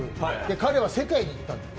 彼は世界に行った。